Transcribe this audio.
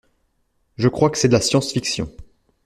Je crois que c’est de la science-fiction.